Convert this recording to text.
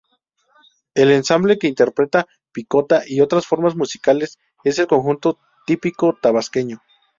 El ensamble que interpreta picota y otras formas musicales es el conjunto típico tabasqueño.